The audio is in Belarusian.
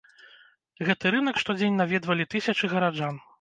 Гэты рынак штодзень наведвалі тысячы гараджан.